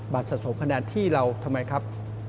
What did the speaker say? สะสมคะแนนที่เราทำไมครับ